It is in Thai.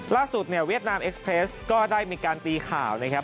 ล่าสุดเนี่ยเวียดนามเอ็กซ์เพลสก็ได้มีการตีข่าวนะครับ